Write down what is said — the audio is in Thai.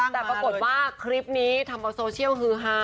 แต่ปรากฏว่าคลิปนี้ทำเอาโซเชียลฮือฮา